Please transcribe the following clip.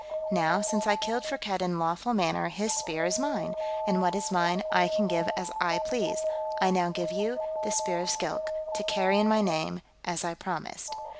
Now, since I killed Firkked in lawful manner, his Spear is mine, and what is mine I can give as I please. I now give you the Spear of Skilk, to carry in my name, as I promised."